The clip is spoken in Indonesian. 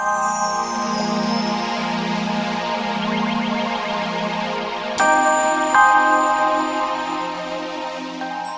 kamu ke trading langsung